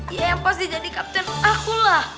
iya yang pasti jadi kapten aku dong yaa